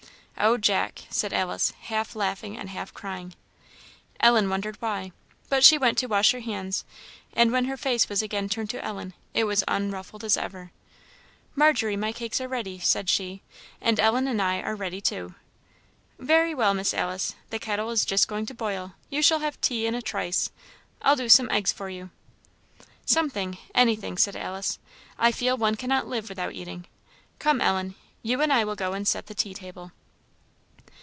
Oh, Jack!" said Alice, half laughing and half crying. Ellen wondered why. But she went to wash her hands, and when her face was again turned to Ellen, it was unruffled as ever. "Margery, my cakes are ready," said she, "and Ellen and I are ready too." "Very well, Miss Alice the kettle is just going to boil; you shall have tea in a trice. I'll do some eggs for you." "Something anything," said Alice; "I feel one cannot live without eating. Come, Ellen, you and I will go and set the tea table."